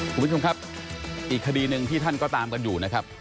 คุณผู้ชมครับอีกคดีหนึ่งที่ท่านก็ตามกันอยู่นะครับ